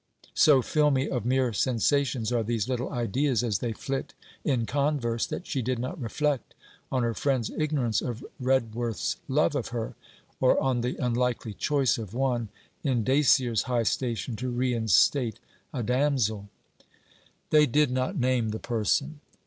So filmy of mere sensations are these little ideas as they flit in converse, that she did not reflect on her friend's ignorance of Redworth's love of her, or on the unlikely choice of one in Dacier's high station to reinstate a damsel. They did not name the person.